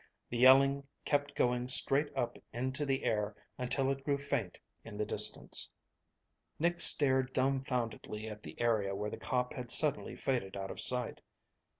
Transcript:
The yelling kept going straight up into the air until it grew faint in the distance. Nick stared dumbfoundedly at the area where the cop had suddenly faded out of sight.